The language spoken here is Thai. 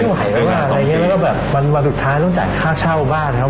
อะไรอย่างเงี้แล้วก็แบบวันสุดท้ายต้องจ่ายค่าเช่าบ้านครับ